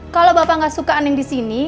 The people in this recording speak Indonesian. kalau bapak gak suka neng disini